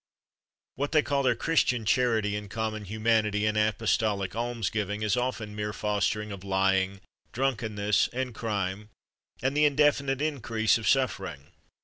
What they call their Christian charity and common humanity and apostolic alms giving is often mere fostering of lying, drunkenness, and crime, and the indefinite increase of suffering.